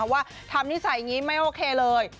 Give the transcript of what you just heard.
ว่าทำนิสัยอย่างนี้ไม่โอเคเลย